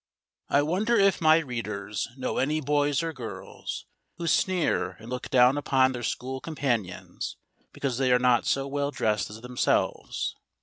I WONDER if my readers know any boys or girls who sneer and look down upon their school companions because they are not so well dressed as themselves?